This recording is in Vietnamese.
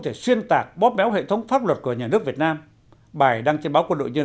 thể xuyên tạc bóp méo hệ thống pháp luật của nhà nước việt nam bài đăng trên báo quân đội nhân